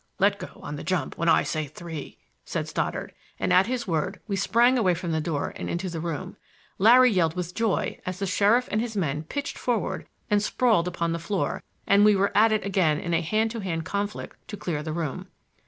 "Let go on the jump when I say three," said Stoddard, and at his word we sprang away from the door and into the room. Larry yelled with joy as the sheriff and his men pitched forward and sprawled upon the floor, and we were at it again in a hand to hand conflict to clear the room.